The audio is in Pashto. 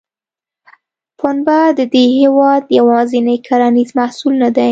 پنبه د دې هېواد یوازینی کرنیز محصول نه دی.